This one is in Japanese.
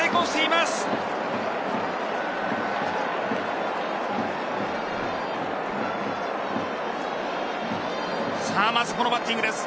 まずこのバッティングです。